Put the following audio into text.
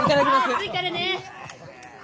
熱いからね！